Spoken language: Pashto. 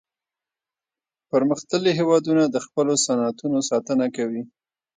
پرمختللي هیوادونه د خپلو صنعتونو ساتنه کوي